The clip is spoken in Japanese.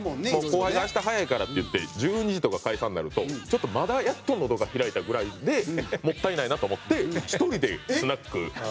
後輩が明日早いからっていって１２時とか解散なるとちょっとまだやっとのどが開いたぐらいでもったいないなと思って１人でスナック行って。